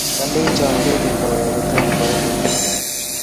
Kolenjon Kering' kowek kotom kwai kou notok